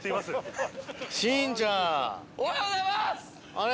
あれ？